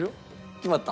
決まった？